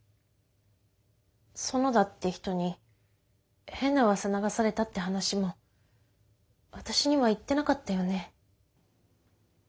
園田って人に変なうわさ流されたって話も私には言ってなかったよね？